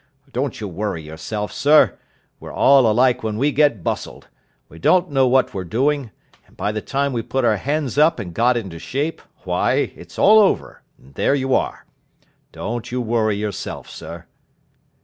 Don't you worry yourself, sir. We're all alike when we get bustled. We don't know what we're doing, and by the time we've put our hands up and got into shape, why, it's all over, and there you are. Don't you worry yourself, sir."